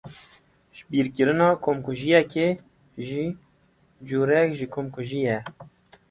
Jibîrkirina komkûjiyekê jî cureyek ji komkûjiyê ye.